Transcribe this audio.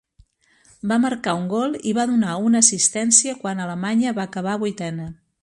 Va marcar un gol i va donar una assistència quan Alemanya va acabar vuitena.